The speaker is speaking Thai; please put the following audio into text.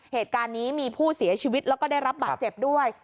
เหตุการณ์นี้มีผู้เสียชีวิตแล้วก็ได้รับบาดเจ็บด้วย